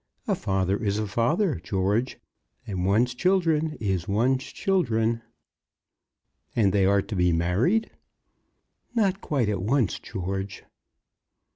A father is a father, George; and one's children is one's children." "And they are to be married?" "Not quite at once, George."